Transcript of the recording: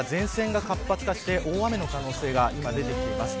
月曜日は前線が活発化して大雨の可能性が今出てきています